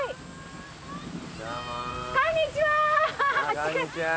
こんにちは！